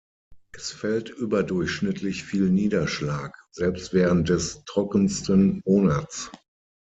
Es fällt überdurchschnittlich viel Niederschlag, selbst während des trockensten Monats.